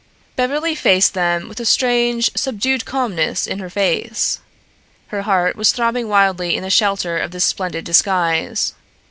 Beverly faced them with a strange, subdued calmness in her face. Her heart was throbbing wildly in the shelter of this splendid disguise.